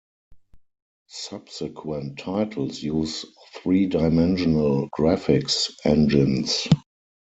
Subsequent titles use three-dimensional graphics engines.